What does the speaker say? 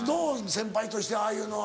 先輩としてああいうのは。